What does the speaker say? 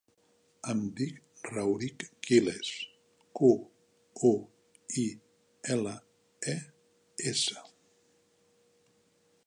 Em dic Rauric Quiles: cu, u, i, ela, e, essa.